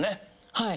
はい。